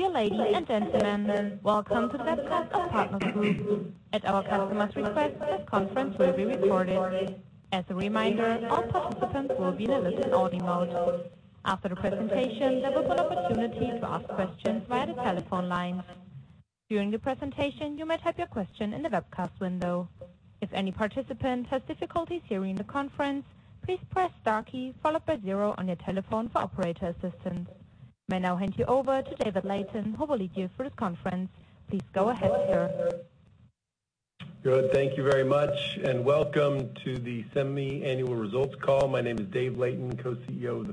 Dear ladies and gentlemen, welcome to the webcast of Partners Group. At our customers' request, this conference will be recorded. As a reminder, all participants will be in a listen-only mode. After the presentation, there will be an opportunity to ask questions via the telephone lines. During the presentation, you may type your question in the webcast window. If any participant has difficulties hearing the conference, please press star key followed by zero on your telephone for operator assistance. May now hand you over to David Layton, who will lead you through this conference. Please go ahead, sir. Good. Thank you very much, and welcome to the semi-annual results call. My name is David Layton, co-CEO of the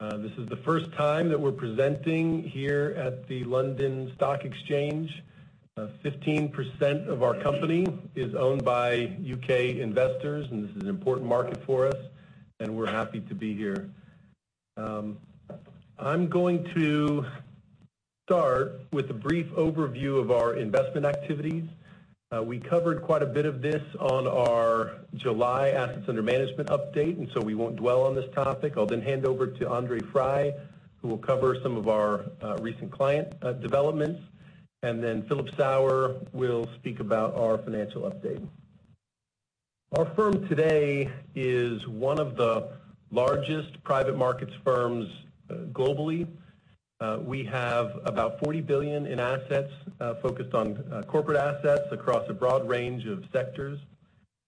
firm. This is the first time that we're presenting here at the London Stock Exchange. 15% of our company is owned by U.K. investors, and this is an important market for us, and we're happy to be here. I'm going to start with a brief overview of our investment activities. We covered quite a bit of this on our July assets under management update, and so we won't dwell on this topic. I'll then hand over to André Frei, who will cover some of our recent client developments, and then Philip Sauer will speak about our financial update. Our firm today is one of the largest private markets firms globally. We have about 40 billion in assets focused on corporate assets across a broad range of sectors.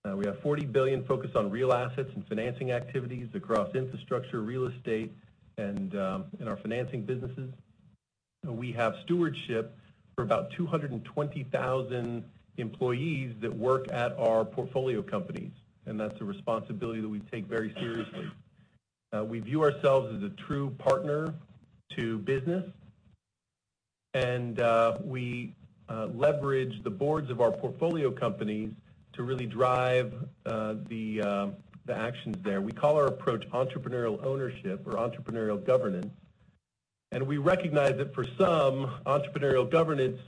We have 40 billion focused on real assets and financing activities across infrastructure, real estate, and our financing businesses. We have stewardship for about 220,000 employees that work at our portfolio companies, and that's a responsibility that we take very seriously. We view ourselves as a true partner to business, and we leverage the boards of our portfolio companies to really drive the actions there. We call our approach entrepreneurial Ownership or entrepreneurial Governance, and we recognize that for some, entrepreneurial Governance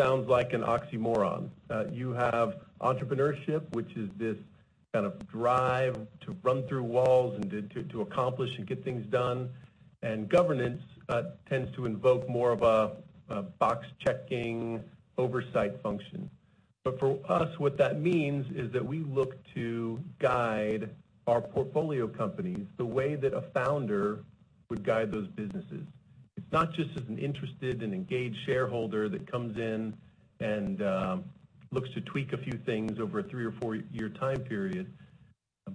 sounds like an oxymoron. You have entrepreneurship, which is this drive to run through walls and to accomplish and get things done, and governance tends to invoke more of a box-checking oversight function. For us, what that means is that we look to guide our portfolio companies the way that a founder would guide those businesses. It's not just as an interested and engaged shareholder that comes in and looks to tweak a few things over a three or four-year time period,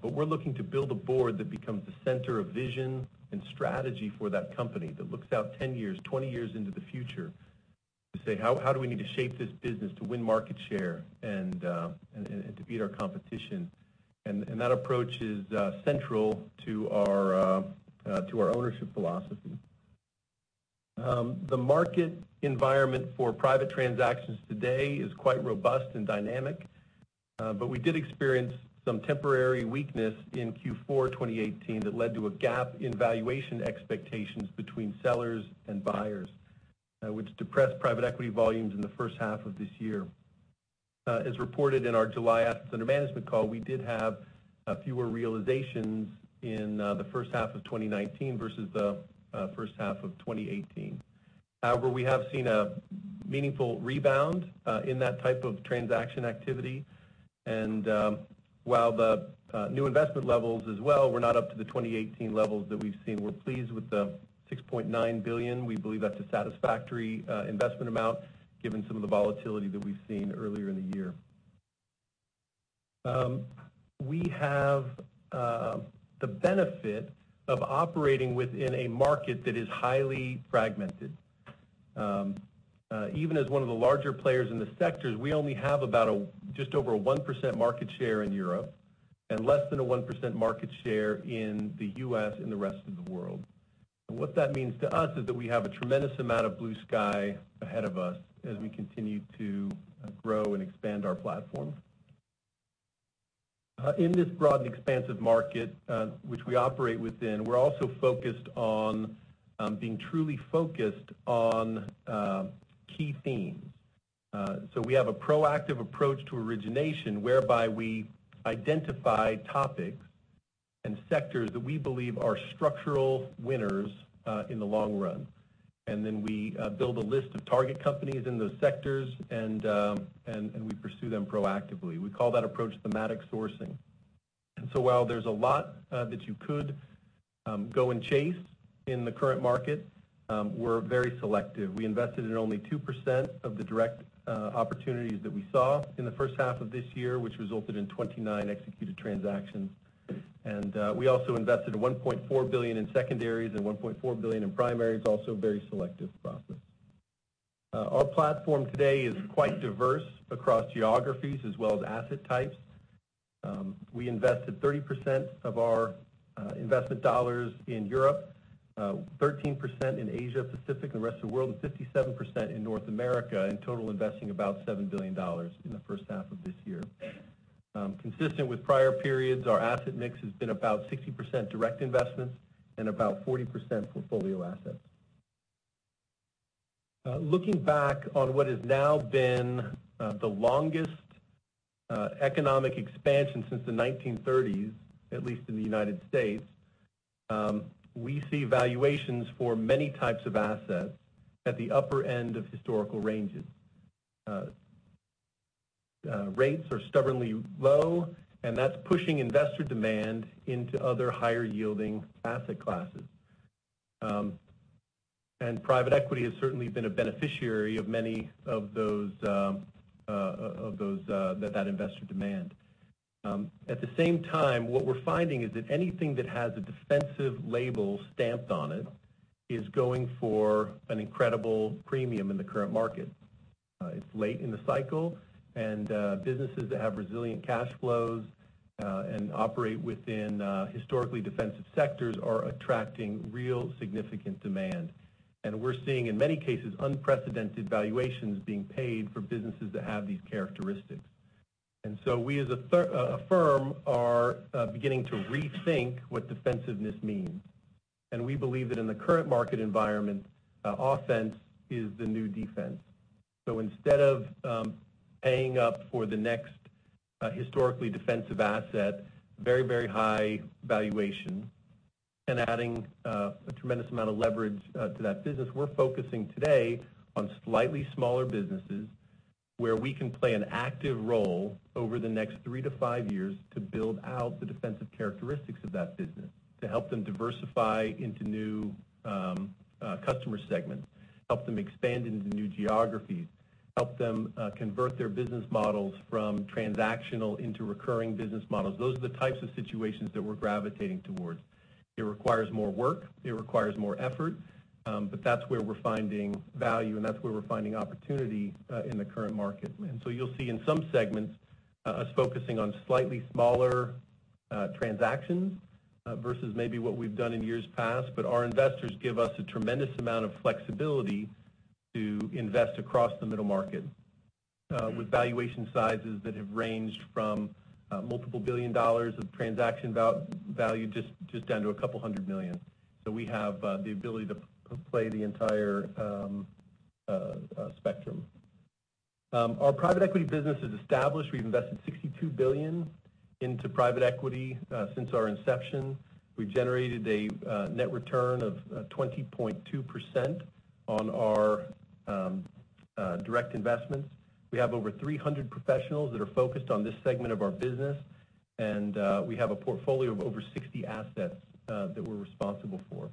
but we're looking to build a board that becomes the center of vision and strategy for that company that looks out 10 years, 20 years into the future to say, "How do we need to shape this business to win market share and to beat our competition." That approach is central to our ownership philosophy. The market environment for private transactions today is quite robust and dynamic. We did experience some temporary weakness in Q4 2018 that led to a gap in valuation expectations between sellers and buyers, which depressed private equity volumes in the first half of this year. As reported in our July assets under management call, we did have fewer realizations in the first half of 2019 versus the first half of 2018. However, we have seen a meaningful rebound in that type of transaction activity. While the new investment levels as well were not up to the 2018 levels that we've seen, we're pleased with the 6.9 billion. We believe that's a satisfactory investment amount given some of the volatility that we've seen earlier in the year. We have the benefit of operating within a market that is highly fragmented. Even as one of the larger players in the sectors, we only have about just over a 1% market share in Europe and less than a 1% market share in the U.S. and the rest of the world. What that means to us is that we have a tremendous amount of blue sky ahead of us as we continue to grow and expand our platform. In this broad and expansive market, which we operate within, we're also being truly focused on key themes. We have a proactive approach to origination, whereby we identify topics and sectors that we believe are structural winners in the long run. Then we build a list of target companies in those sectors, and we pursue them proactively. We call that approach thematic sourcing. While there's a lot that you could go and chase in the current market, we're very selective. We invested in only 2% of the direct opportunities that we saw in the first half of this year, which resulted in 29 executed transactions. We also invested $1.4 billion in secondaries and $1.4 billion in primaries, also a very selective process. Our platform today is quite diverse across geographies as well as asset types. We invested 30% of our investment dollars in Europe, 13% in Asia-Pacific and the rest of the world, and 57% in North America, in total investing about $7 billion in the first half of this year. Consistent with prior periods, our asset mix has been about 60% direct investments and about 40% portfolio assets. Looking back on what has now been the longest economic expansion since the 1930s, at least in the United States, we see valuations for many types of assets at the upper end of historical ranges. Rates are stubbornly low, and that's pushing investor demand into other higher-yielding asset classes. Private equity has certainly been a beneficiary of much of that investor demand. At the same time, what we're finding is that anything that has a defensive label stamped on it is going for an incredible premium in the current market. It's late in the cycle. Businesses that have resilient cash flows and operate within historically defensive sectors are attracting real significant demand. We're seeing, in many cases, unprecedented valuations being paid for businesses that have these characteristics. We, as a firm, are beginning to rethink what defensiveness means. We believe that in the current market environment, offense is the new defense. Instead of paying up for the next historically defensive asset, very high valuation, and adding a tremendous amount of leverage to that business, we're focusing today on slightly smaller businesses where we can play an active role over the next 3-5 years to build out the defensive characteristics of that business, to help them diversify into new customer segments, help them expand into new geographies, help them convert their business models from transactional into recurring business models. Those are the types of situations that we're gravitating towards. It requires more work, it requires more effort, but that's where we're finding value, and that's where we're finding opportunity in the current market. You'll see in some segments us focusing on slightly smaller transactions versus maybe what we've done in years past. Our investors give us a tremendous amount of flexibility to invest across the middle market with valuation sizes that have ranged from multiple billion CHF of transaction value, just down to a couple hundred million CHF. We have the ability to play the entire spectrum. Our private equity business is established. We've invested 62 billion into private equity since our inception. We've generated a net return of 20.2% on our direct investments. We have over 300 professionals that are focused on this segment of our business, and we have a portfolio of over 60 assets that we're responsible for.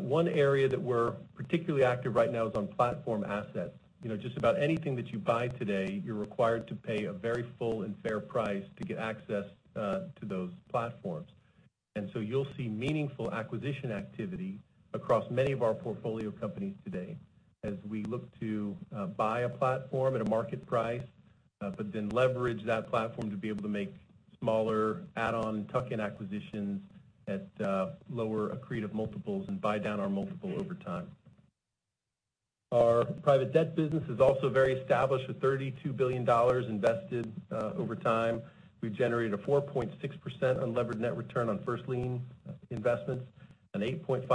One area that we're particularly active right now is on platform assets. Just about anything that you buy today, you're required to pay a very full and fair price to get access to those platforms. You'll see meaningful acquisition activity across many of our portfolio companies today as we look to buy a platform at a market price, but then leverage that platform to be able to make smaller add-on tuck-in acquisitions at lower accretive multiples and buy down our multiple over time. Our private debt business is also very established, with CHF 32 billion invested over time. We've generated a 4.6% unlevered net return on first-lien investments, an 8.5%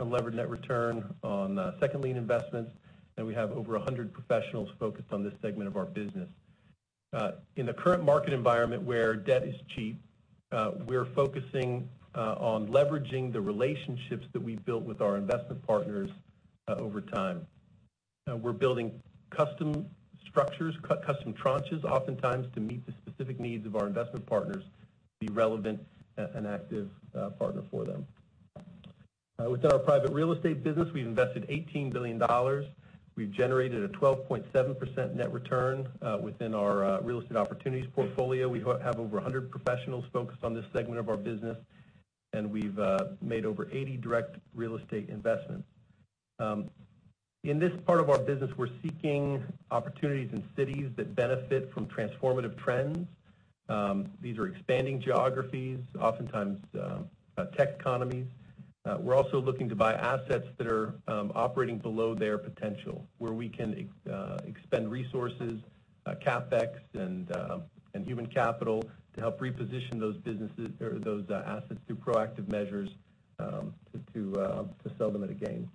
unlevered net return on second-lien investments, and we have over 100 professionals focused on this segment of our business. In the current market environment where debt is cheap, we're focusing on leveraging the relationships that we've built with our investment partners over time. We're building custom structures, custom tranches, oftentimes to meet the specific needs of our investment partners to be relevant and active partner for them. Within our private real estate business, we've invested CHF 18 billion. We've generated a 12.7% net return within our real estate opportunities portfolio. We have over 100 professionals focused on this segment of our business, and we've made over 80 direct real estate investments. In this part of our business, we're seeking opportunities in cities that benefit from transformative trends. These are expanding geographies, oftentimes tech economies. We're also looking to buy assets that are operating below their potential, where we can expend resources, CapEx, and human capital to help reposition those assets through proactive measures to sell them at a gain.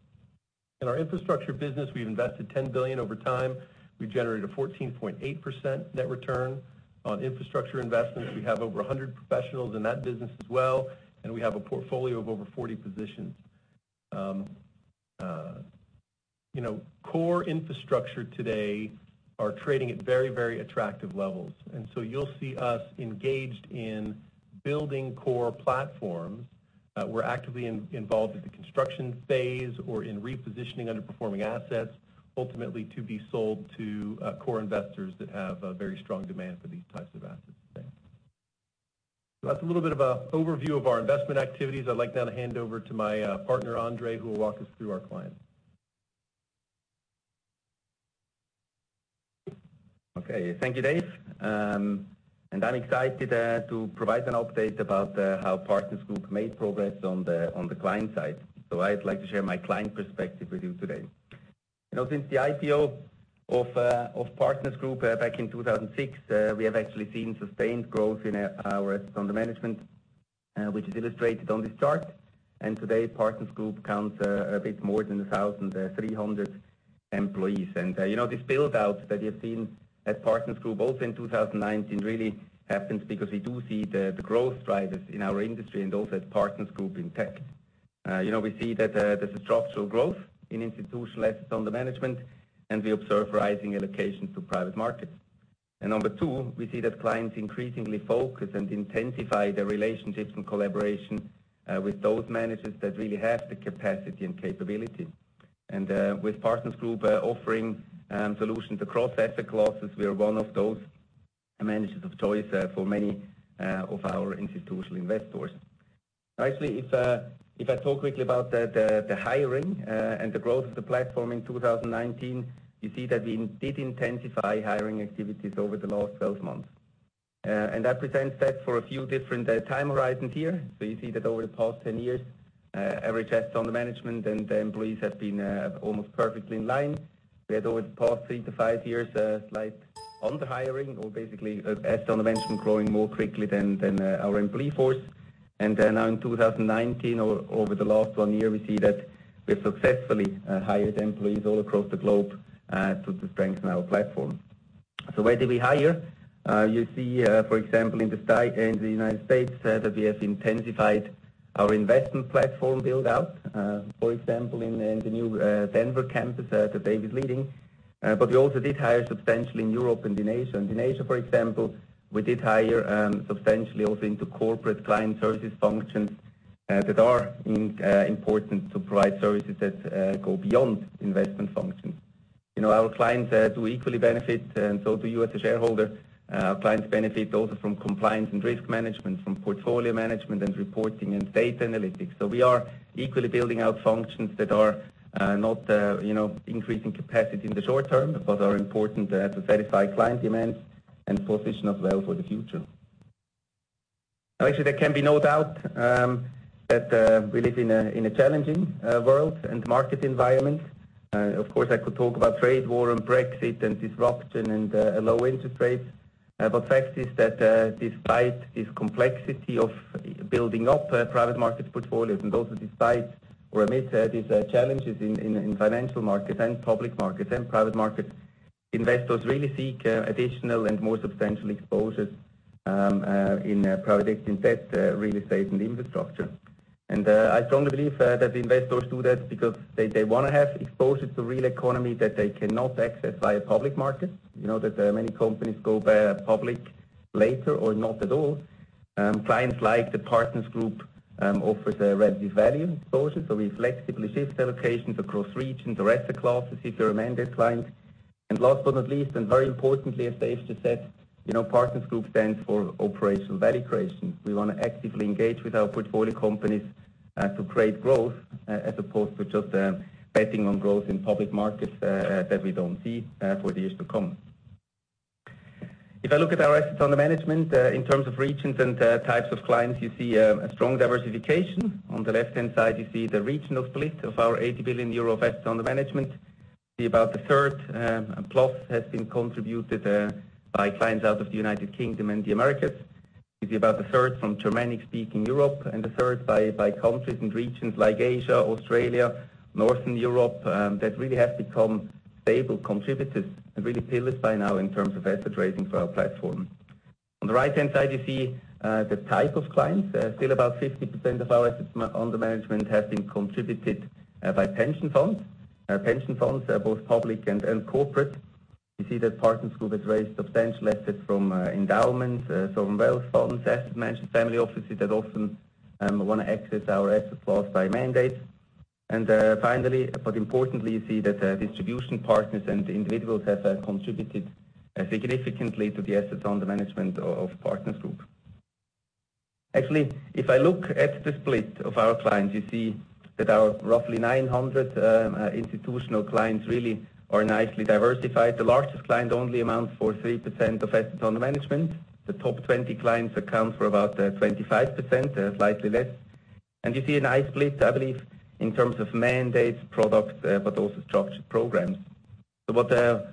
In our infrastructure business, we've invested 10 billion over time. We've generated a 14.8% net return on infrastructure investments. We have over 100 professionals in that business as well, and we have a portfolio of over 40 positions. Core infrastructure today are trading at very attractive levels, and so you'll see us engaged in building core platforms. We're actively involved in the construction phase or in repositioning underperforming assets, ultimately to be sold to core investors that have a very strong demand for these types of assets today. That's a little bit of a overview of our investment activities. I'd like now to hand over to my partner, André, who will walk us through our clients. Thank you, Dave. I'm excited to provide an update about how Partners Group made progress on the client side. I'd like to share my client perspective with you today. Since the IPO of Partners Group back in 2006, we have actually seen sustained growth in our assets under management, which is illustrated on this chart. Today, Partners Group counts a bit more than 1,300 employees. This build-out that you have seen at Partners Group, both in 2019, really happens because we do see the growth drivers in our industry and also at Partners Group in tech. We see that there's a structural growth in institutional assets under management, and we observe rising allocations to private markets. Number 2, we see that clients increasingly focus and intensify their relationships and collaboration with those managers that really have the capacity and capability. With Partners Group offering solutions across asset classes, we are one of those managers of choice for many of our institutional investors. Actually, if I talk quickly about the hiring and the growth of the platform in 2019, you see that we did intensify hiring activities over the last 12 months. I present that for a few different time horizons here. You see that over the past 10 years, average Assets Under Management and employees have been almost perfectly in line. We had over the past three to five years, a slight under hiring or basically Assets Under Management growing more quickly than our employee force. Now in 2019 or over the last one year, we see that we have successfully hired employees all across the globe to strengthen our platform. Where did we hire? You see, for example, in the U.S., that we have intensified our investment platform build-out. For example, in the new Denver campus that David's leading. We also did hire substantially in Europe and in Asia. In Asia, for example, we did hire substantially also into corporate client services functions that are important to provide services that go beyond investment functions. Our clients do equally benefit, and so do you as a shareholder. Clients benefit also from compliance and risk management, from portfolio management, and reporting and data analytics. We are equally building out functions that are not increasing capacity in the short term, but are important to satisfy client demands and position us well for the future. Actually, there can be no doubt that we live in a challenging world and market environment. Of course, I could talk about trade war and Brexit and disruption and low interest rates. The fact is that despite this complexity of building up private markets portfolios, and also despite or amid these challenges in financial markets and public markets and private markets, investors really seek additional and more substantial exposure in private equity and debt, real estate, and infrastructure. I strongly believe that investors do that because they want to have exposure to real economy that they cannot access via public markets. You know that many companies go public later or not at all. Clients like the Partners Group offer the relative value exposure, so we flexibly shift allocations across regions or asset classes if they're a mandate client. Last but not least, and very importantly, I safe to say, Partners Group stands for operational value creation. We want to actively engage with our portfolio companies to create growth as opposed to just betting on growth in public markets that we don't see for years to come. If I look at our assets under management in terms of regions and types of clients, you see a strong diversification. On the left-hand side, you see the regional split of our 80 billion euro assets under management. See about a third plus has been contributed by clients out of the U.K. and the Americas. You see about a third from Germanic-speaking Europe, and a third by countries and regions like Asia, Australia, Northern Europe, that really have become stable contributors and really pillars by now in terms of asset raising for our platform. On the right-hand side, you see the type of clients. Still about 50% of our assets under management have been contributed by pension funds, both public and corporate. You see that Partners Group has raised substantial assets from endowments, sovereign wealth funds, asset management family offices that often want to access our asset class by mandate. Finally, but importantly, you see that distribution partners and individuals have contributed significantly to the assets under management of Partners Group. Actually, if I look at the split of our clients, you see that our roughly 900 institutional clients really are nicely diversified. The largest client only amounts for 3% of assets under management. The top 20 clients account for about 25%, slightly less. You see a nice split, I believe, in terms of mandates, products, but also structured finance.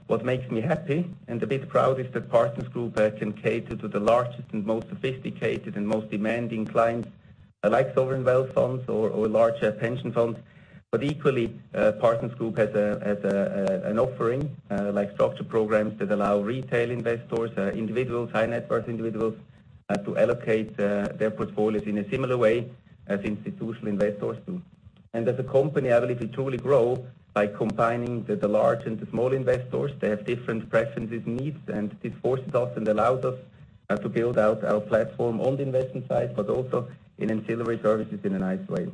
What makes me happy and a bit proud is that Partners Group can cater to the largest and most sophisticated and most demanding clients, like sovereign wealth funds or larger pension funds. Equally, Partners Group has an offering, like structured finance that allow retail investors, individuals, high-net-worth individuals, to allocate their portfolios in a similar way as institutional investors do. As a company, I believe we truly grow by combining the large and the small investors. They have different preferences, needs, and this forces us and allows us to build out our platform on the investment side, but also in ancillary services in a nice way.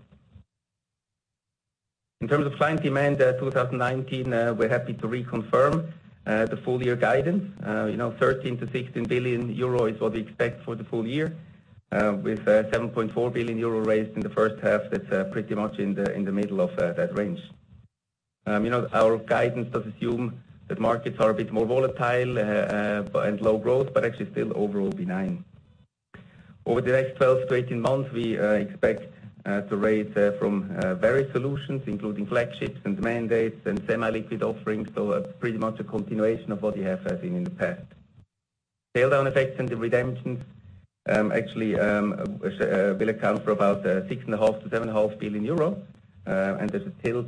In terms of client demand, 2019, we're happy to reconfirm the full-year guidance. 13 billion-16 billion euro is what we expect for the full year. With 7.4 billion euro raised in the first half, that's pretty much in the middle of that range. Our guidance does assume that markets are a bit more volatile and low growth, actually still overall benign. Over the next 12-18 months, we expect to raise from various solutions, including flagships and mandates and semi-liquid offerings, that's pretty much a continuation of what you have seen in the past. Paydown effects and the redemptions actually will account for about 6.5 billion-7.5 billion euro, there's a tilt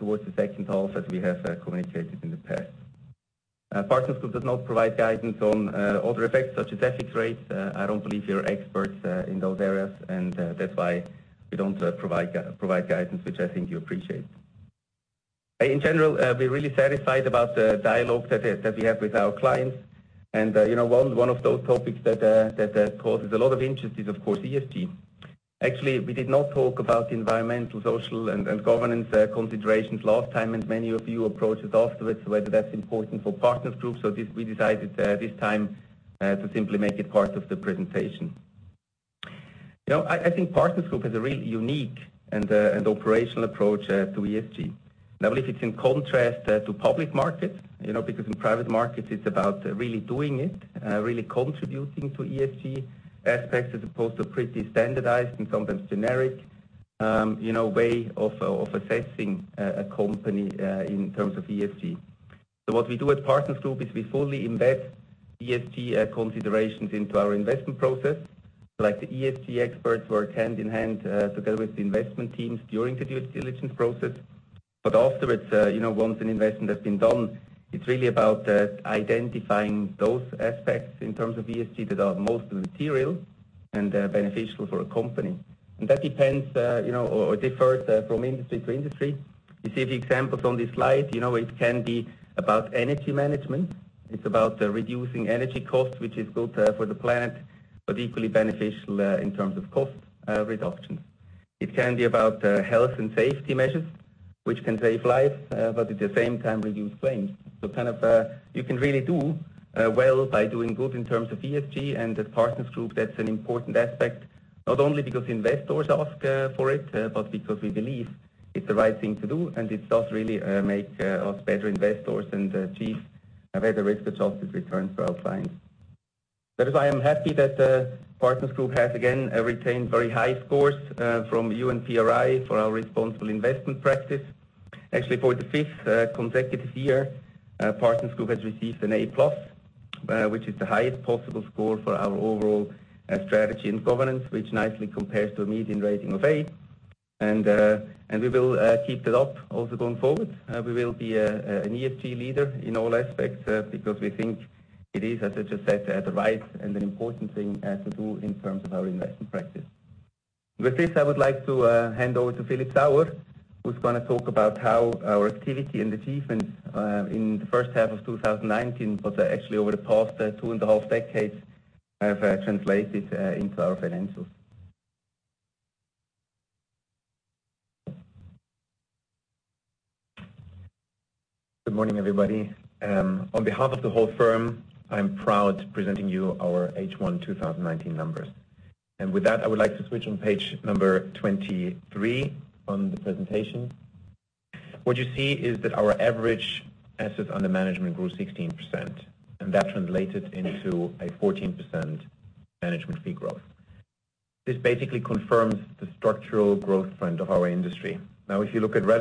towards the second half, as we have communicated in the past. Partners Group does not provide guidance on other effects such as FX rates. I don't believe we are experts in those areas, that's why we don't provide guidance, which I think you appreciate. In general, we're really satisfied about the dialogue that we have with our clients. One of those topics that causes a lot of interest is, of course, ESG. Actually, we did not talk about environmental, social, and governance considerations last time, and many of you approached us afterwards whether that's important for Partners Group. We decided this time to simply make it part of the presentation. I think Partners Group has a really unique and operational approach to ESG. Now, if it's in contrast to public markets, because in private markets, it's about really doing it, really contributing to ESG aspects as opposed to pretty standardized and sometimes generic way of assessing a company, in terms of ESG. What we do at Partners Group is we fully embed ESG considerations into our investment process, like the ESG experts work hand-in-hand together with the investment teams during the due diligence process. Afterwards, once an investment has been done, it's really about identifying those aspects in terms of ESG that are most material and beneficial for a company. That depends or differs from industry to industry. You see the examples on this slide. It can be about energy management. It's about reducing energy costs, which is good for the planet, but equally beneficial in terms of cost reduction. It can be about health and safety measures, which can save lives, but at the same time, reduce claims. You can really do well by doing good in terms of ESG, and as Partners Group, that's an important aspect, not only because investors ask for it, but because we believe it's the right thing to do, and it does really make us better investors and achieve a better risk-adjusted return for our clients. That is why I am happy that Partners Group has again retained very high scores from UNPRI for our responsible investment practice. Actually, for the fifth consecutive year, Partners Group has received an A+, which is the highest possible score for our overall strategy and governance, which nicely compares to a median rating of A, and we will keep that up also going forward. We will be an ESG leader in all aspects because we think it is, as I just said, the right and an important thing to do in terms of our investment practice. With this, I would like to hand over to Philip Sauer, who's going to talk about how our activity and achievements in the first half of 2019, but actually over the past two and a half decades, have translated into our financials. Good morning, everybody. On behalf of the whole firm, I'm proud to presenting you our H1 2019 numbers. With that, I would like to switch on page number 23 on the presentation. What you see is that our average assets under management grew 16%, and that translated into a 14% management fee growth. This basically confirms the structural growth trend of our industry. If you look at our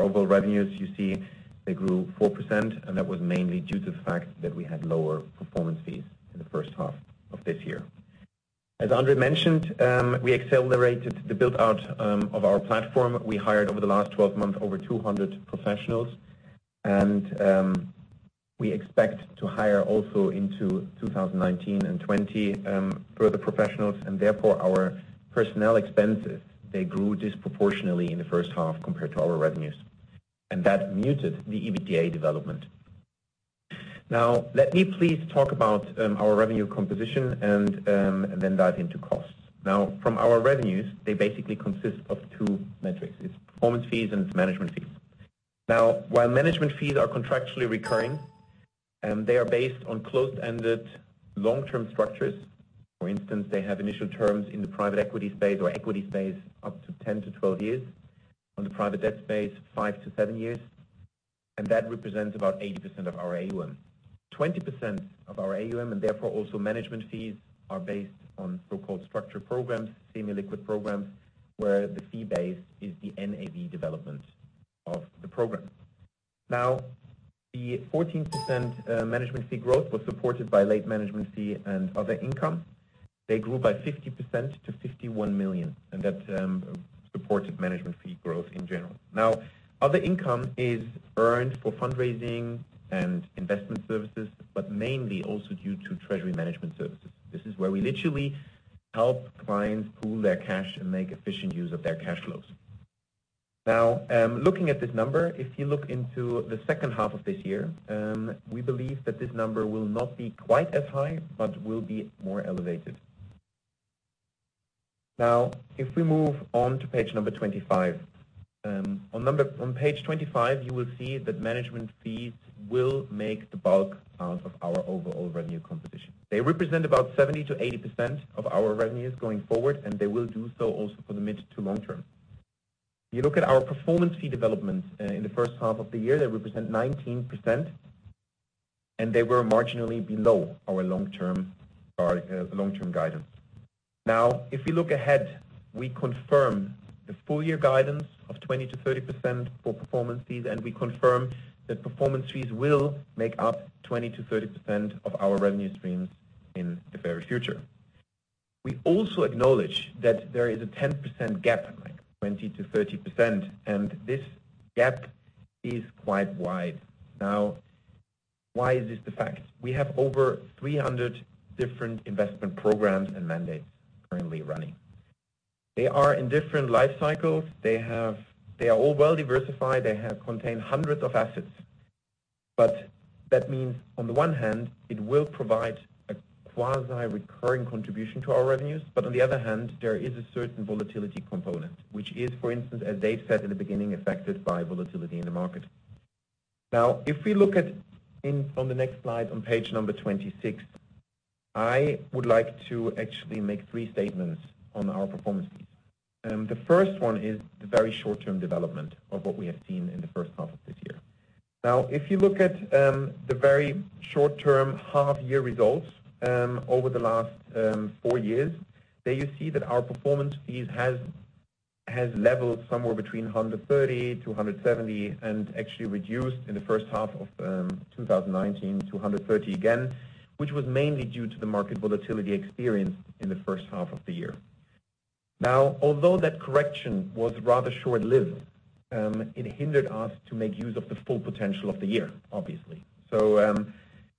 overall revenues, you see they grew 4%, and that was mainly due to the fact that we had lower performance fees in the first half of this year. As André mentioned, we accelerated the build-out of our platform. We hired over the last 12 months, over 200 professionals. We expect to hire also into 2019 and 2020, further professionals. Therefore, our personnel expenses, they grew disproportionately in the first half compared to our revenues. That muted the EBITDA development. Let me please talk about our revenue composition and then dive into costs. From our revenues, they basically consist of two metrics. It's performance fees and management fees. While management fees are contractually recurring, they are based on closed-ended long-term structures. For instance, they have initial terms in the private equity space or equity space up to 10-12 years. On the private debt space, 5-7 years. That represents about 80% of our AUM. 20% of our AUM, and therefore also management fees, are based on so-called structured finance, semi-liquid funds, where the fee base is the NAV development of the program. The 14% management fee growth was supported by late management fee and other income. They grew by 50% to 51 million, and that supported management fee growth in general. Other income is earned for fundraising and investment services, but mainly also due to treasury management services. This is where we literally help clients pool their cash and make efficient use of their cash flows. Looking at this number, if you look into the second half of this year, we believe that this number will not be quite as high, but will be more elevated. If we move on to page number 25. On page 25, you will see that management fees will make the bulk out of our overall revenue composition. They represent about 70%-80% of our revenues going forward, and they will do so also for the mid to long term. You look at our performance fee developments in the first half of the year, they represent 19%, and they were marginally below our long-term guidance. If you look ahead, we confirm the full-year guidance of 20%-30% for performance fees, and we confirm that performance fees will make up 20%-30% of our revenue streams in the very future. We also acknowledge that there is a 10% gap, like 20%-30%, and this gap is quite wide. Why is this the fact? We have over 300 different investment programs and mandates currently running. They are in different life cycles. They are all well-diversified. They contain hundreds of assets. That means, on the one hand, it will provide a quasi-recurring contribution to our revenues, on the other hand, there is a certain volatility component, which is, for instance, as Dave said in the beginning, affected by volatility in the market. If we look at on the next slide on page 26, I would like to actually make three statements on our performance fees. The first one is the very short-term development of what we have seen in the first half of this year. If you look at the very short-term half-year results over the last four years, there you see that our performance fees has leveled somewhere between 130-170, and actually reduced in the first half of 2019 to 130 again, which was mainly due to the market volatility experienced in the first half of the year. Although that correction was rather short-lived, it hindered us to make use of the full potential of the year, obviously.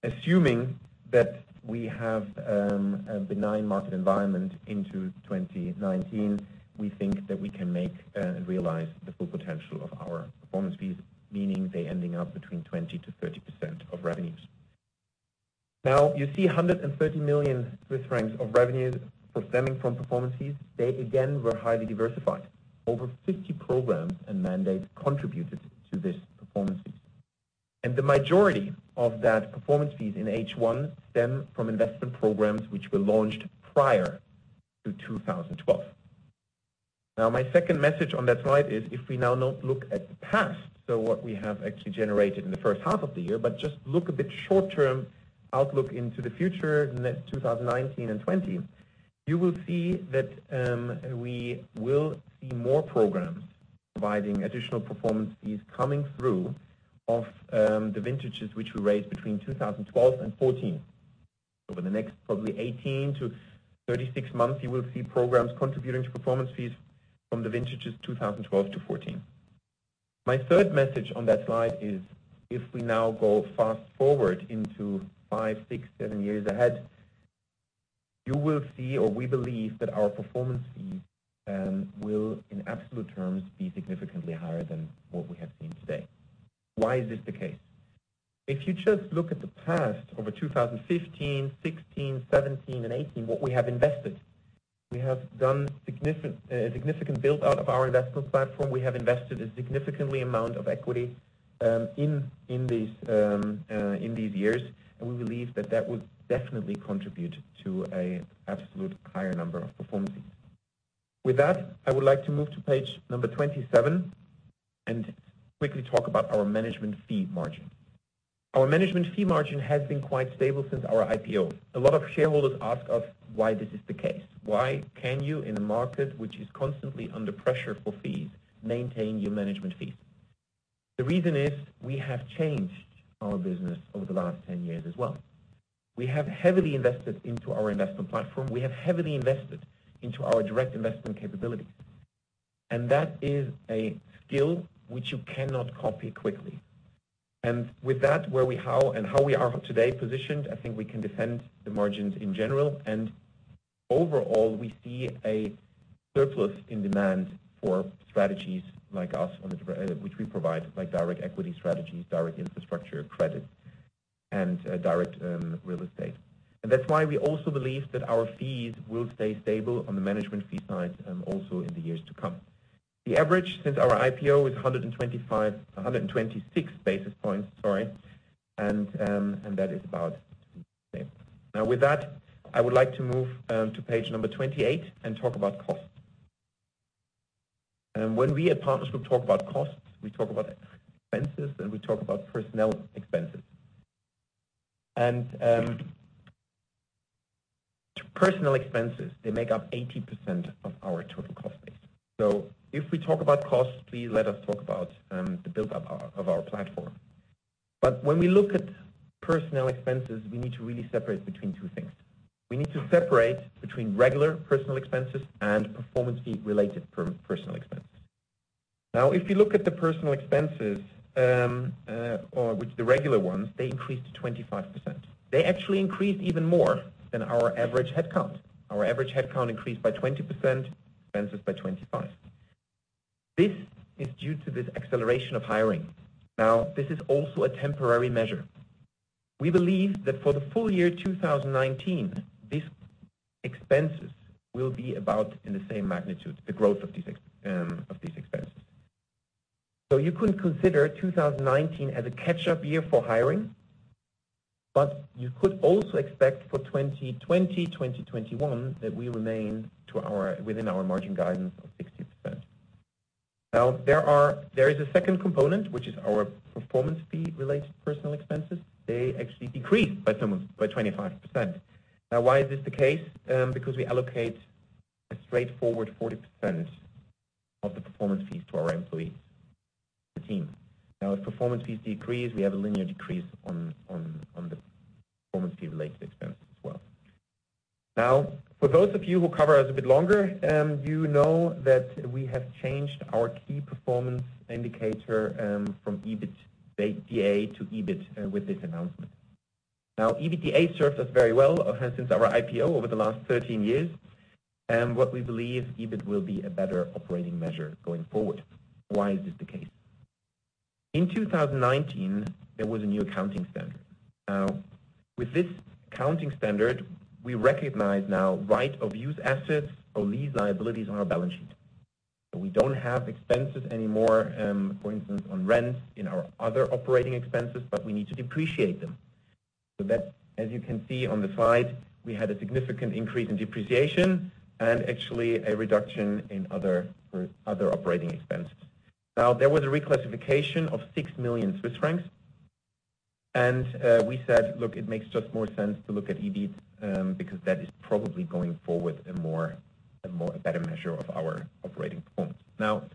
Assuming that we have a benign market environment into 2019, we think that we can make and realize the full potential of our performance fees, meaning they ending up between 20%-30% of revenues. You see 130 million Swiss francs of revenues stemming from performance fees. They, again, were highly diversified. Over 50 programs and mandates contributed to these performance fees. The majority of that performance fees in H1 stem from investment programs which were launched prior to 2012. Now, my second message on that slide is if we now not look at the past, so what we have actually generated in the first half of the year, but just look a bit short-term outlook into the future, net 2019 and 2020, you will see that we will see more programs providing additional performance fees coming through of the vintages which we raised between 2012 and 2014. Over the next probably 18 to 36 months, you will see programs contributing to performance fees from the vintages 2012 to 2014. My third message on that slide is if we now go fast-forward into five, six, seven years ahead, you will see, or we believe that our performance fees will, in absolute terms, be significantly higher than what we have seen today. Why is this the case? If you just look at the past, over 2015, 2016, 2017, and 2018, what we have invested, we have done a significant build-out of our investment platform. We have invested a significantly amount of equity in these years. We believe that that would definitely contribute to a absolute higher number of performance fees. With that, I would like to move to page number 27 and quickly talk about our management fee margin. Our management fee margin has been quite stable since our IPO. A lot of shareholders ask us why this is the case. "Why can you, in a market which is constantly under pressure for fees, maintain your management fees?" The reason is we have changed our business over the last 10 years as well. We have heavily invested into our investment platform. We have heavily invested into our direct investment capability. That is a skill which you cannot copy quickly. With that, where we are today positioned, I think we can defend the margins in general. Overall, we see a surplus in demand for strategies like us which we provide, like direct equity strategies, direct infrastructure credit, and direct real estate. That's why we also believe that our fees will stay stable on the management fee side, also in the years to come. The average since our IPO is 125, 126 basis points, sorry, and that is about the same. With that, I would like to move to page number 28 and talk about costs. When we at Partners Group talk about costs, we talk about expenses, and we talk about personnel expenses. Personnel expenses, they make up 80% of our total cost base. If we talk about costs, please let us talk about the build-up of our platform. When we look at personnel expenses, we need to really separate between two things. We need to separate between regular personnel expenses and performance fee-related personnel expenses. If you look at the personnel expenses, the regular ones, they increased to 25%. They actually increased even more than our average headcount. Our average headcount increased by 20%, expenses by 25%. This is due to this acceleration of hiring. This is also a temporary measure. We believe that for the full year 2019, these expenses will be about in the same magnitude, the growth of these expenses. You could consider 2019 as a catch-up year for hiring, but you could also expect for 2020, 2021, that we remain within our margin guidance of 60%. There is a second component, which is our performance fee-related personal expenses. They actually decreased by 25%. Why is this the case? Because we allocate a straightforward 40% of the performance fees to our employees, the team. As performance fees decrease, we have a linear decrease on the performance fee-related expenses as well. For those of you who cover us a bit longer, you know that we have changed our key performance indicator from EBITDA to EBIT with this announcement. EBITDA served us very well since our IPO over the last 13 years. What we believe, EBIT will be a better operating measure going forward. Why is this the case? In 2019, there was a new accounting standard. With this accounting standard, we recognize now right-of-use assets or lease liabilities on our balance sheet. We don't have expenses anymore, for instance, on rents in our other operating expenses, but we need to depreciate them. That, as you can see on the slide, we had a significant increase in depreciation and actually a reduction in other operating expenses. There was a reclassification of 6 million Swiss francs. We said, "Look, it makes just more sense to look at EBIT," because that is probably going forward a better measure of our operating performance.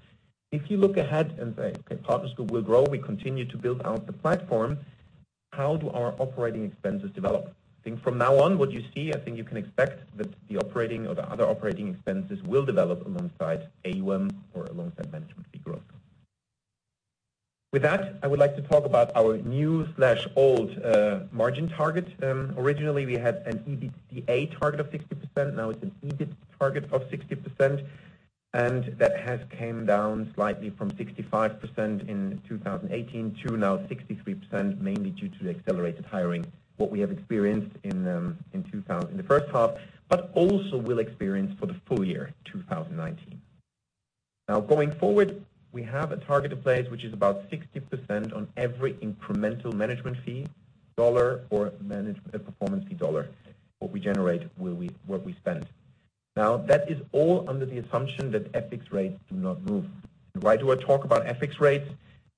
If you look ahead and say, "Okay, Partners Group will grow, we continue to build out the platform, how do our operating expenses develop?" I think from now on, what you see, I think you can expect that the operating or the other operating expenses will develop alongside AUM or alongside management fee growth. I would like to talk about our new/old margin target. Originally, we had an EBITDA target of 60%, now it's an EBIT target of 60%, that has came down slightly from 65% in 2018 to now 63%, mainly due to the accelerated hiring, what we have experienced in the first half, but also will experience for the full year 2019. Going forward, we have a target in place, which is about 60% on every incremental management fee CHF or performance fee CHF. What we generate, what we spend. That is all under the assumption that FX rates do not move. Why do I talk about FX rates?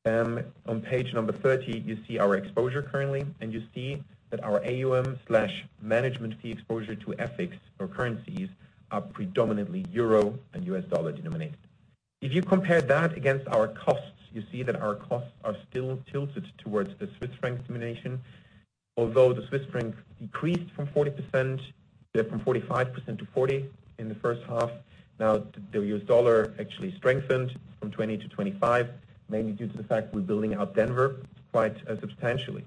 On page number 30, you see our exposure currently, and you see that our AUM/management fee exposure to FX or currencies are predominantly EUR and USD denominated. If you compare that against our costs, you see that our costs are still tilted towards the CHF denomination. Although the CHF decreased from 45% to 40% in the first half. The USD actually strengthened from 20% to 25%, mainly due to the fact we're building out Denver quite substantially.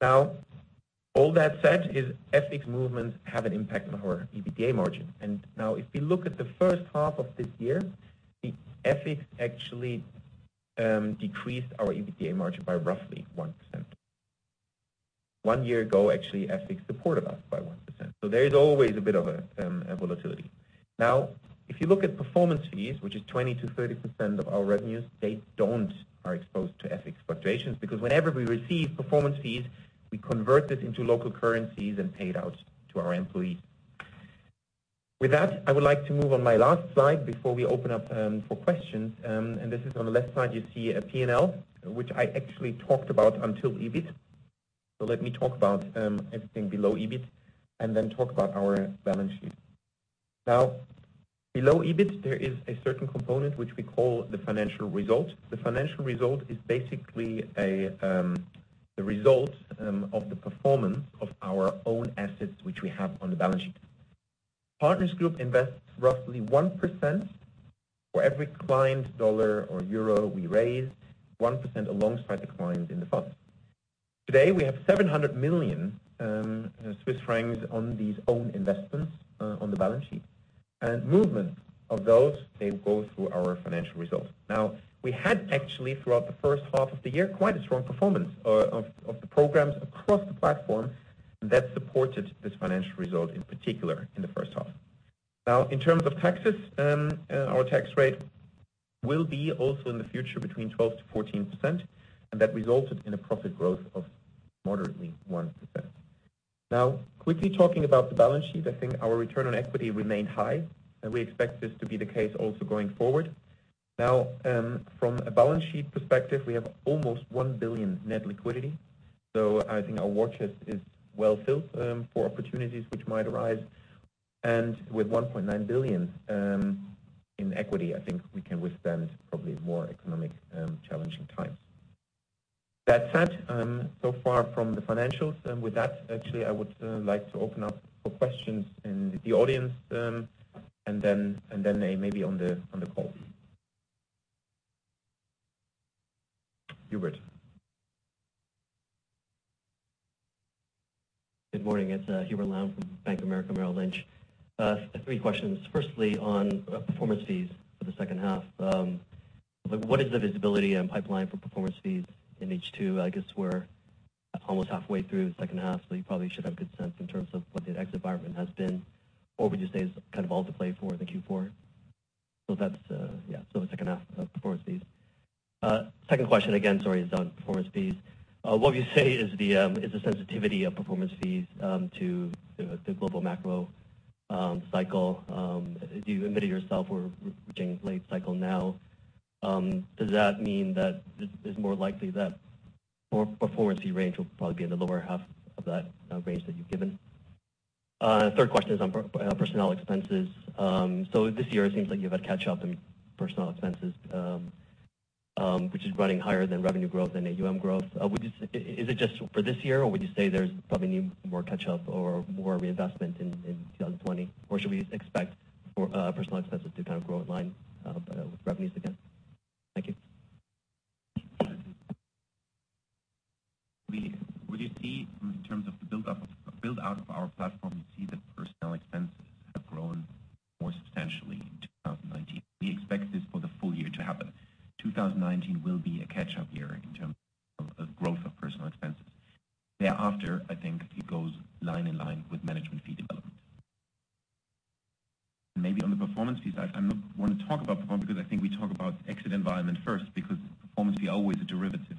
All that said is FX movements have an impact on our EBITDA margin. If we look at the first half of this year, the FX actually decreased our EBITDA margin by roughly 1%. One year ago, actually, FX supported us by 1%. There is always a bit of a volatility. If you look at performance fees, which is 20%-30% of our revenues, they don't are exposed to FX fluctuations. Whenever we receive performance fees, we convert it into local currencies and pay it out to our employees. With that, I would like to move on my last slide before we open up for questions. This is on the left side, you see a P&L, which I actually talked about until EBIT. Let me talk about everything below EBIT and then talk about our balance sheet. Below EBIT, there is a certain component which we call the financial result. The financial result is basically the result of the performance of our own assets which we have on the balance sheet. Partners Group invests roughly 1% for every client dollar or euro we raise, 1% alongside the client in the fund. Today, we have 700 million Swiss francs on these own investments on the balance sheet. Movement of those, they go through our financial results. We had actually, throughout the first half of the year, quite a strong performance of the programs across the platform that supported this financial result in particular in the first half. In terms of taxes, our tax rate will be also in the future between 12%-14%, and that resulted in a profit growth of moderately 1%. Quickly talking about the balance sheet, I think our return on equity remained high, and we expect this to be the case also going forward. From a balance sheet perspective, we have almost 1 billion net liquidity. I think our war chest is well-filled for opportunities which might arise. With 1.9 billion in equity, I think we can withstand probably more economic challenging times. That said, so far from the financials, with that, actually, I would like to open up for questions in the audience, then maybe on the call. Hubert. Good morning. It's Hubert Lam from Bank of America, Merrill Lynch. Three questions. Firstly, on performance fees for the second half. What is the visibility and pipeline for performance fees in H2? I guess we're almost halfway through the second half, you probably should have a good sense in terms of what the tax environment has been, or would you say is kind of all to play for in the Q4? That's the second half of performance fees. Second question, again, sorry, is on performance fees. What would you say is the sensitivity of performance fees to the global macro cycle? You admitted yourself we're approaching late cycle now. Does that mean that it's more likely that more performance fee range will probably be in the lower half of that range that you've given? Third question is on personnel expenses. This year, it seems like you've had catch-up in personnel expenses, which is running higher than revenue growth and AUM growth. Is it just for this year, or would you say there's probably more catch-up or more reinvestment in 2020? Or should we expect for personnel expenses to grow in line with revenues again? Thank you. We see, in terms of the build-out of our platform, we see that personnel expenses have grown more substantially in 2019. We expect this for the full year to happen. 2019 will be a catch-up year in terms of growth of personal expenses. Thereafter, I think it goes line in line with management fee development. Maybe on the performance fees, I don't want to talk about performance because I think we talk about exit environment first, because performance fee are always a derivative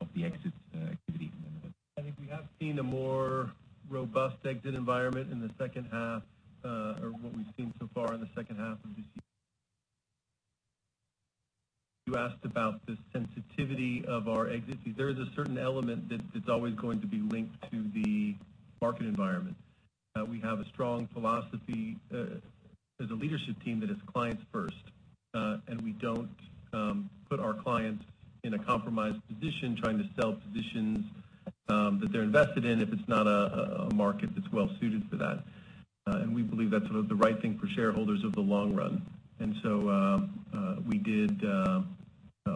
of the exit activity. I think we have seen a more robust exit environment in the second half, or what we've seen so far in the second half of this year. You asked about the sensitivity of our exit fees. There is a certain element that's always going to be linked to the market environment. We have a strong philosophy as a leadership team that is clients first, and we don't put our clients in a compromised position trying to sell positions that they're invested in if it's not a market that's well-suited for that. We believe that's the right thing for shareholders over the long run. We did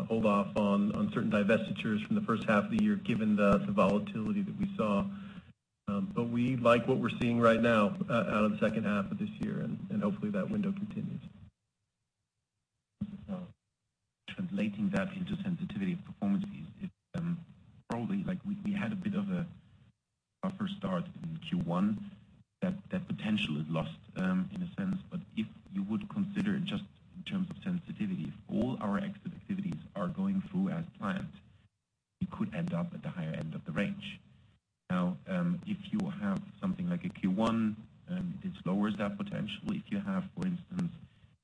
hold off on certain divestitures from the first half of the year, given the volatility that we saw. We like what we're seeing right now out of the second half of this year, and hopefully that window continues. Translating that into sensitivity of performance fees is probably like we had a bit of a buffer start in Q1 that potentially is lost in a sense. If you would consider just in terms of sensitivity, if all our exit activities are going through as planned, we could end up at the higher end of the range. If you have something like a Q1, it lowers that potential. If you have, for instance,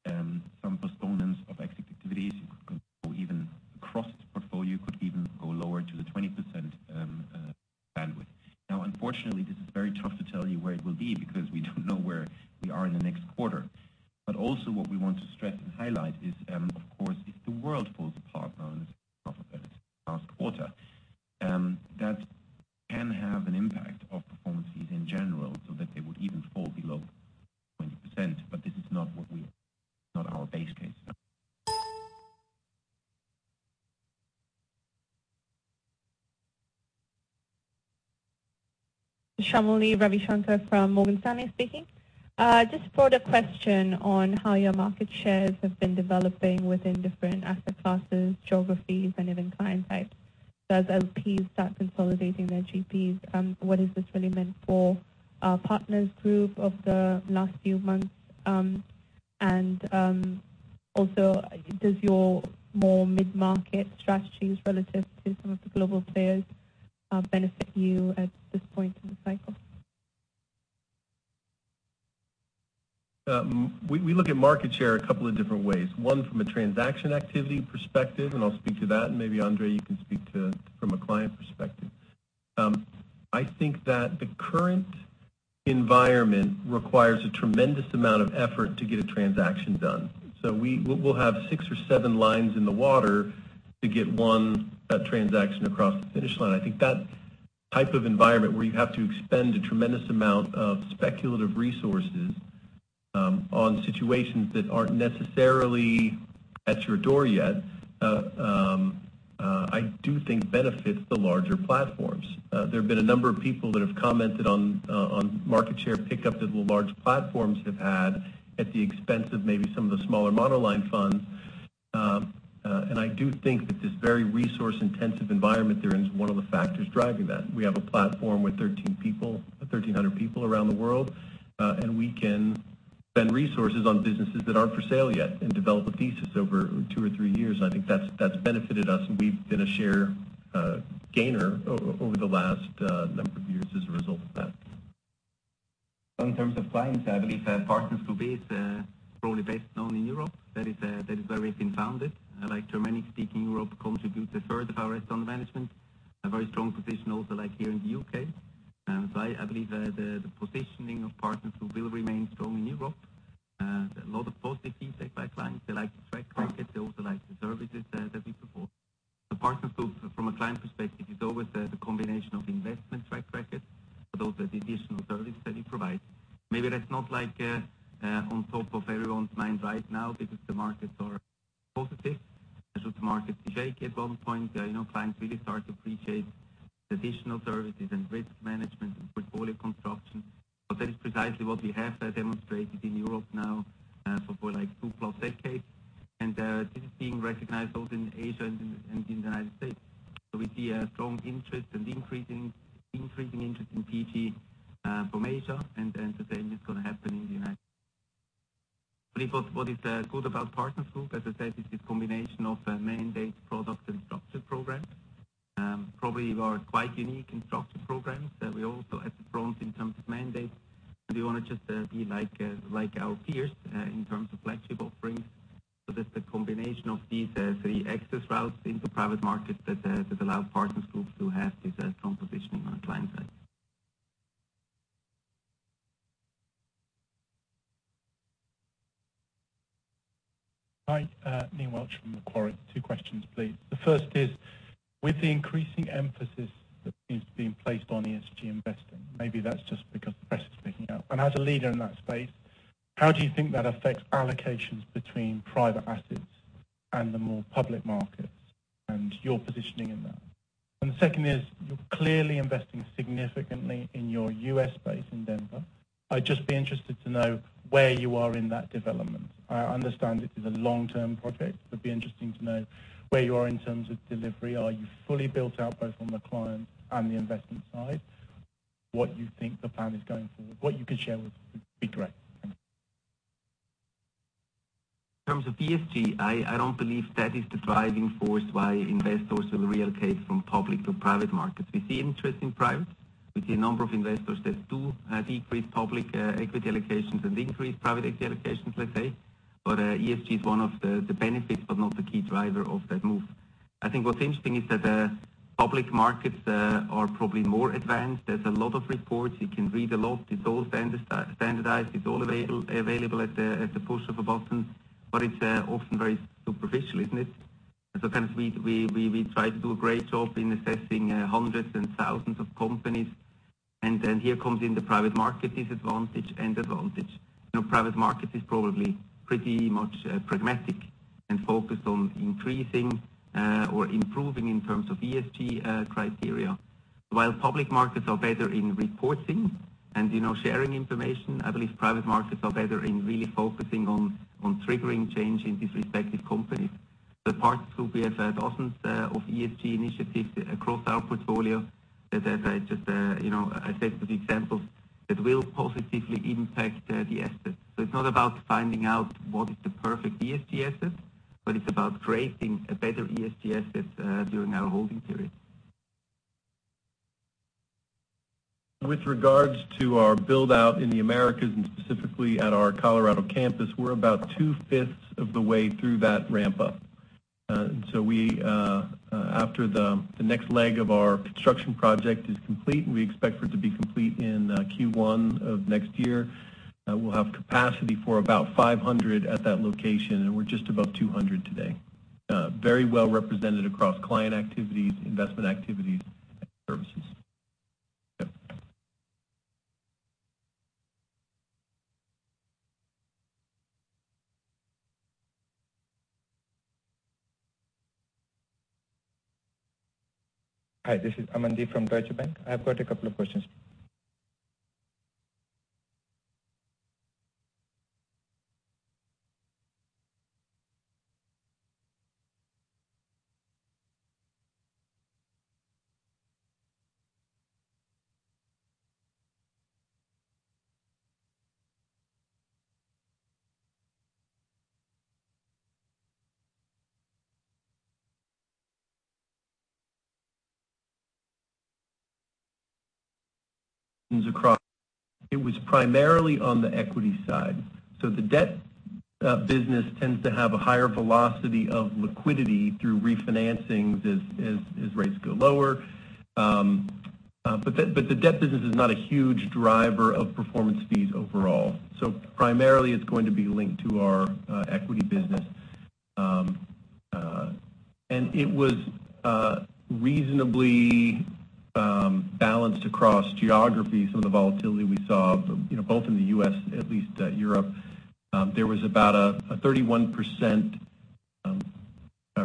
some postponements of exit activities, it could go even across the portfolio, could even go lower to the 20% bandwidth. Unfortunately, this is very tough to tell you where it will be because we don't know where we are in the next quarter. Also what we want to stress and highlight is, of course, if the world falls apart now in the second half of the last quarter, that can have an impact on performance fees in general so that they would even fall below 20%. This is not our base case. Shamoli Ravishankar from Morgan Stanley speaking. Just a further question on how your market shares have been developing within different asset classes, geographies, and even client types. As LPs start consolidating their GPs, what has this really meant for Partners Group of the last few months? Does your more mid-market strategies relative to some of the global players benefit you at this point in the cycle? We look at market share a couple of different ways. One from a transaction activity perspective, and I'll speak to that, and maybe André, you can speak to from a client perspective. I think that the current environment requires a tremendous amount of effort to get a transaction done. We'll have six or seven lines in the water to get one transaction across the finish line. I think that type of environment where you have to expend a tremendous amount of speculative resources on situations that aren't necessarily at your door yet, I do think benefits the larger platforms. There have been a number of people that have commented on market share pickup that the large platforms have had at the expense of maybe some of the smaller monoline funds. I do think that this very resource-intensive environment they're in is one of the factors driving that. We have a platform with 1,300 people around the world, we can spend resources on businesses that aren't for sale yet and develop a thesis over two or three years. I think that's benefited us, and we've been a share gainer over the last number of years as a result of that. In terms of clients, I believe Partners Group is probably best known in Europe. That is where we've been founded. Like Germanic-speaking Europe contribute a third of our assets under management. A very strong position also like here in the U.K. I believe the positioning of Partners Group will remain strong in Europe. A lot of positive feedback by clients. They like the track record. They also like the services that we perform. Partners Group from a client perspective is always the combination of investment track record, but also the additional service that we provide. Maybe that's not on top of everyone's mind right now because the markets are positive. Should the markets shake at one point, clients really start to appreciate the additional services and risk management and portfolio construction. That is precisely what we have demonstrated in Europe now for two-plus decades. This is being recognized both in Asia and in the United States. We see a strong interest and increasing interest in PG from Asia, and the same is going to happen in the United States. I believe what is good about Partners Group, as I said, is the combination of mandate products and structured finance. Probably we are quite unique in structured Thanks. In terms of ESG, I don't believe that is the driving force why investors will relocate from public to private markets. We see interest in private. We see a number of investors that do decrease public equity allocations and increase private equity allocations, let's say. ESG is one of the benefits, but not the key driver of that move. I think what's interesting is that public markets are probably more advanced. There's a lot of reports. You can read a lot. It's all standardized. It's all available at the push of a button, but it's often very superficial, isn't it? We try to do a great job in assessing hundreds and thousands of companies, and then here comes in the private market disadvantage and advantage. Private market is probably pretty much pragmatic and focused on increasing or improving in terms of ESG criteria. While public markets are better in reporting and sharing information, I believe private markets are better in really focusing on triggering change in these respective companies. The Partners Group, we have dozens of ESG initiatives across our portfolio. As I said as an example, that will positively impact the assets. It's not about finding out what is the perfect ESG asset, but it's about creating a better ESG asset during our holding period. With regards to our build-out in the Americas, and specifically at our Colorado campus, we're about two-fifths of the way through that ramp up. After the next leg of our construction project is complete, and we expect it to be complete in Q1 of next year, we'll have capacity for about 500 at that location, and we're just above 200 today. Very well represented across client activities, investment activities, and services. Yep. Hi, this is Amandeep from Deutsche Bank. I've got a couple of questions. It was primarily on the equity side. The debt business tends to have a higher velocity of liquidity through refinancings as rates go lower. The debt business is not a huge driver of performance fees overall. Primarily, it's going to be linked to our equity business. It was reasonably balanced across geographies. Some of the volatility we saw, both in the U.S., at least Europe. There was about a 31%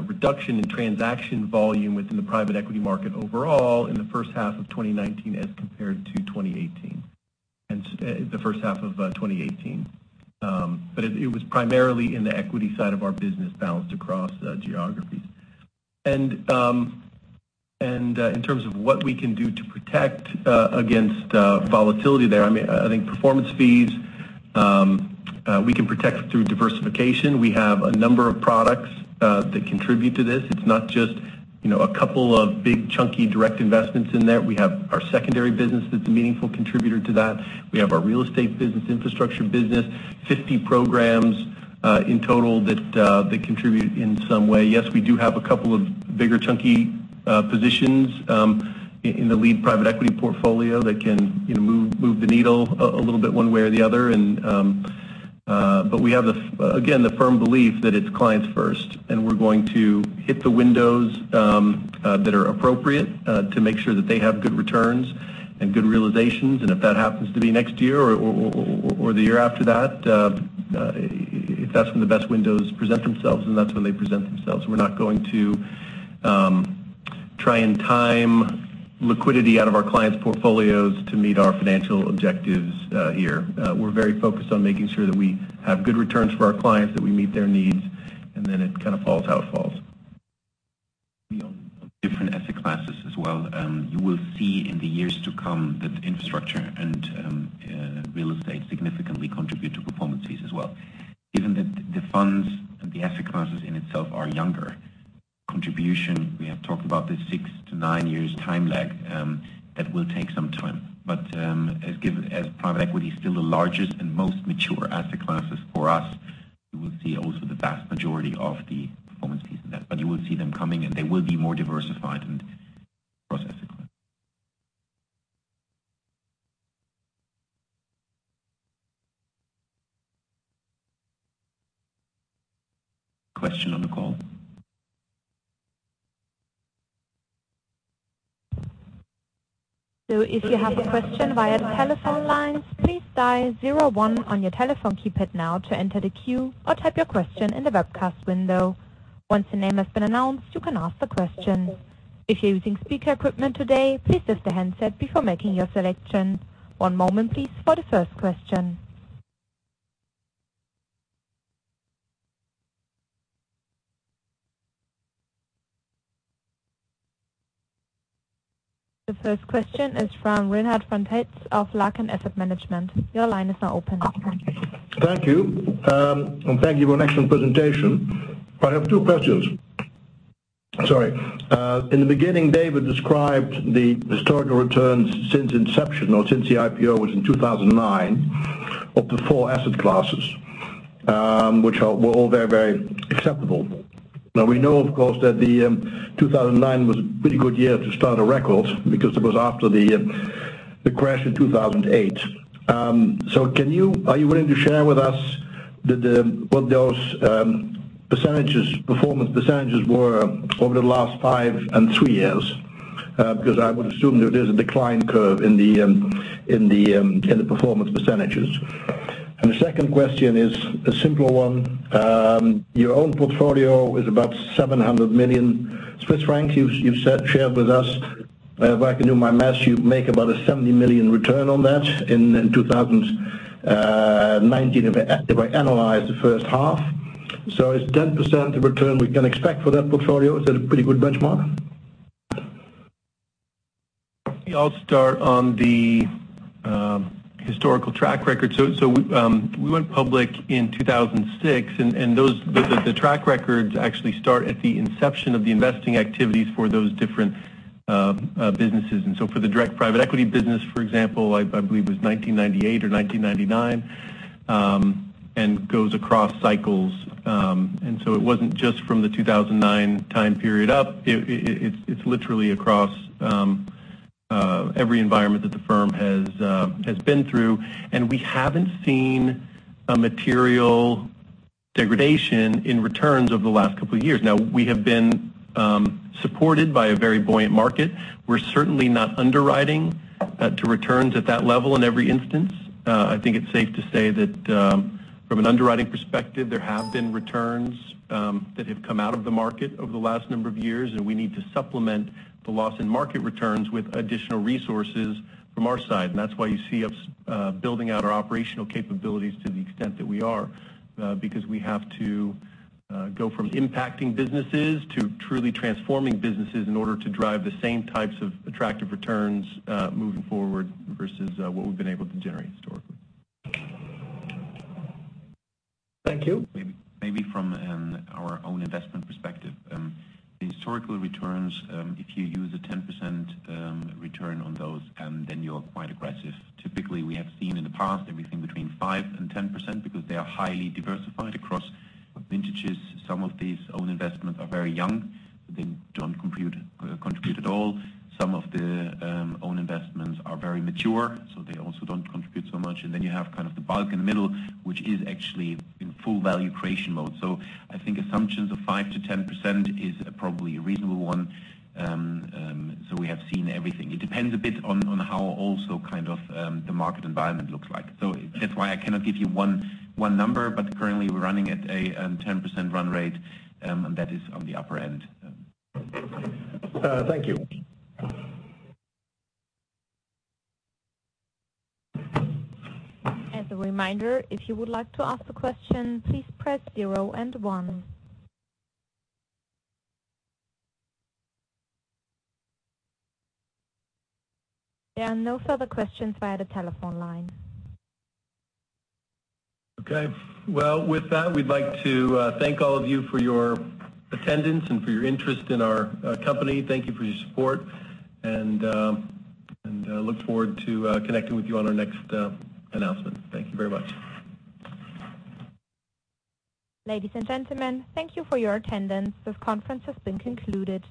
reduction in transaction volume within the private equity market overall in the first half of 2019 as compared to the first half of 2018. It was primarily in the equity side of our business balanced across geographies. In terms of what we can do to protect against volatility there, I think performance fees we can protect through diversification. We have a number of products that contribute to this. It's not just a couple of big chunky direct investments in there. We have our secondary business that's a meaningful contributor to that. We have our real estate business, infrastructure business, 50 programs in total that contribute in some way. Yes, we do have a couple of bigger chunky positions in the lead private equity portfolio that can move the needle a little bit one way or the other. We have, again, the firm belief that it's clients first, and we're going to hit the windows that are appropriate to make sure that they have good returns and good realizations. If that happens to be next year or the year after that, if that's when the best windows present themselves, then that's when they present themselves. We're not going to try and time liquidity out of our clients' portfolios to meet our financial objectives here. We're very focused on making sure that we have good returns for our clients, that we meet their needs, and then it kind of falls how it falls. classes as well. You will see in the years to come that infrastructure and real estate significantly contribute to performance fees as well. Given that the funds and the asset classes in itself are younger, contribution, we have talked about this six to nine years time lag, that will take some time. As private equity is still the largest and most mature asset classes for us, you will see also the vast majority of the performance fees in that. You will see them coming, and they will be more diversified in the process. Question on the call? If you have a question via the telephone lines, please dial 01 on your telephone keypad now to enter the queue or type your question in the webcast window. Once your name has been announced, you can ask the question. If you are using speaker equipment today, please lift the handset before making your selection. One moment please for the first question. The first question is from Reinhart Fronz of Laken Asset Management. Your line is now open. Thank you. Thank you for an excellent presentation. I have two questions. Sorry. In the beginning, David described the historical returns since inception, or since the IPO was in 2009, of the four asset classes, which were all very acceptable. We know, of course, that 2009 was a pretty good year to start a record because it was after the crash in 2008. Are you willing to share with us what those performance % were over the last five and three years? I would assume that there's a decline curve in the performance %. The second question is a simpler one. Your own portfolio is about 700 million Swiss francs. You've shared with us, if I can do my maths, you make about a 70 million return on that in 2019, if I analyze the first half. Is 10% the return we can expect for that portfolio? Is that a pretty good benchmark? Maybe I'll start on the historical track record. We went public in 2006 and the track records actually start at the inception of the investing activities for those different businesses. For the direct private equity business, for example, I believe it was 1998 or 1999, and goes across cycles. It wasn't just from the 2009 time period up. It's literally across every environment that the firm has been through, and we haven't seen a material degradation in returns over the last couple of years. Now, we have been supported by a very buoyant market. We're certainly not underwriting to returns at that level in every instance. I think it's safe to say that from an underwriting perspective, there have been returns that have come out of the market over the last number of years, and we need to supplement the loss in market returns with additional resources from our side. That's why you see us building out our operational capabilities to the extent that we are, because we have to go from impacting businesses to truly transforming businesses in order to drive the same types of attractive returns moving forward versus what we've been able to generate historically. Thank you. From our own investment perspective, the historical returns, if you use a 10% return on those, you're quite aggressive. Typically, we have seen in the past everything between five and 10% because they are highly diversified across vintages. Some of these own investments are very young, they don't contribute at all. Some of the own investments are very mature, they also don't contribute so much. You have kind of the bulk in the middle, which is actually in full value creation mode. I think assumptions of five to 10% is probably a reasonable one. We have seen everything. It depends a bit on how also kind of the market environment looks like. That's why I cannot give you one number, but currently we're running at a 10% run rate, and that is on the upper end. Thank you. As a reminder, if you would like to ask a question, please press zero and one. There are no further questions via the telephone line. Okay. Well, with that, we'd like to thank all of you for your attendance and for your interest in our company. Thank you for your support, and look forward to connecting with you on our next announcement. Thank you very much. Ladies and gentlemen, thank you for your attendance. This conference has been concluded.